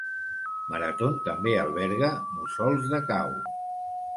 Marathon també alberga mussols de cau.